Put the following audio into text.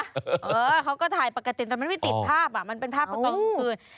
เออเขาก็ถ่ายปกติแต่มันไม่ติดภาพอ่ะมันเป็นภาพเขาตอนกลางคืน